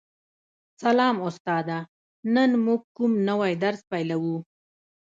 سلام استاده نن موږ کوم نوی درس پیلوو